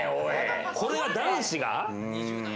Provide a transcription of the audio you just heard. これを男子が？